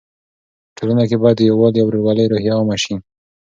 په ټولنه کې باید د یووالي او ورورولۍ روحیه عامه سي.